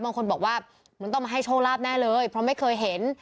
บางคนบอกว่ามันต้องมาให้โชคลาภแน่เลยเพราะไม่เคยเห็น